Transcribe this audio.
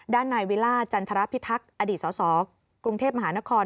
ด้านนายวิล่าจันทรพิทักษ์อดีตสสกรุงเทพมหานคร